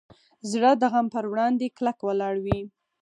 زړه د غم پر وړاندې کلک ولاړ وي.